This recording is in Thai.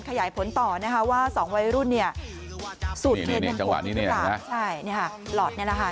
ขยายผลต่อนะฮะว่าสองวัยรุ่นเนี่ยเนี่ยเราใช่นี่ฮะหลอดนี่ละฮะ